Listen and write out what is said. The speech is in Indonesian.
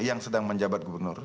yang sedang menjabat gubernur